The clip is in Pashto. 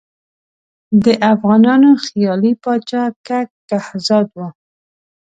د افغانانو خیالي پاچا کک کهزاد وو.